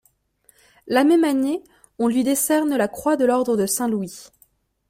La même année on lui décerne la Croix de l'Ordre de Saint-Louis.